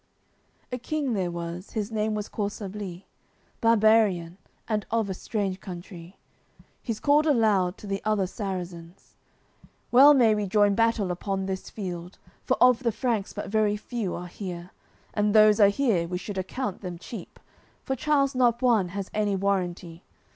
AOI. XCV A king there was, his name was Corsablix, Barbarian, and of a strange country, He's called aloud to the other Sarrazins: "Well may we join battle upon this field, For of the Franks but very few are here; And those are here, we should account them cheap, From Charles not one has any warranty.